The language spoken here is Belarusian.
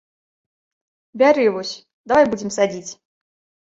Бяры вось, давай будзем садзіць!